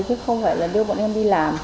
chứ không phải là đưa bọn em đi làm